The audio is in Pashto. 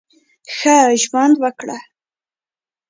ښه ژوند وکړه !